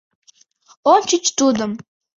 — Ончыч тудым...